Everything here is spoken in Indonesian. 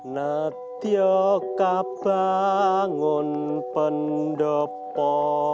nanti aku bangun pendopo